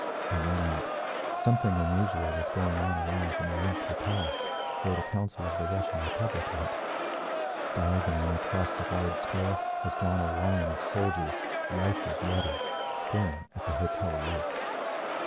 I ran out. Something unusual was going on around the Marinsky Palace, where the Council of the Russian Republic met. Diagonally across the wide square was drawn a line of soldiers, rifles ready, staring at the hotel roof.